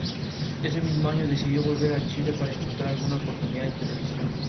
Ese mismo año decidió volver a Chile para encontrar alguna oportunidad en televisión.